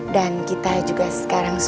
dan kita juga bisa berpikir pikirnya sama